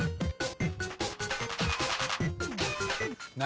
何？